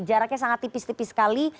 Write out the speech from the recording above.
jaraknya sangat tipis tipis sekali